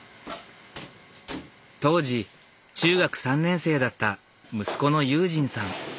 当時中学３年生だった息子の悠仁さん。